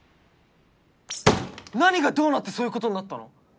何がどうなってそういうことになったの？